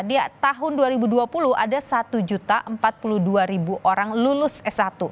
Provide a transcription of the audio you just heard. dia tahun dua ribu dua puluh ada satu empat puluh dua orang lulus s satu